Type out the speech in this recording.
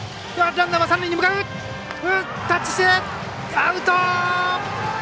アウト！